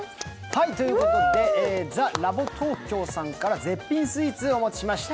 ＴＨＥＬＡＢＴＯＫＹＯさんから絶品スイーツお持ちしました。